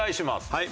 はい。